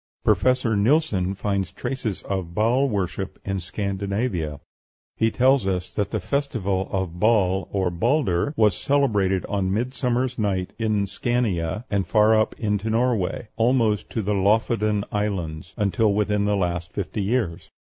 Professor Nilsson finds traces of Baal worship in Scandinavia; he tells us that the festival of Baal, or Balder, was celebrated on midsummer's night in Scania, and far up into Norway, almost to the Loffoden Islands, until within the last fifty years.